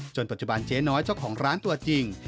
ปัจจุบันเจ๊น้อยเจ้าของร้านตัวจริง